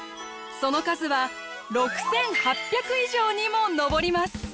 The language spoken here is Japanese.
その数は６，８００以上にも上ります。